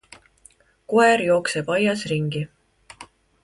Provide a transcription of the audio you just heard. Koer jookseb aias ringi.